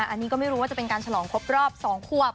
อันนี้ก็ไม่รู้ว่าจะเป็นการฉลองครบรอบ๒ควบ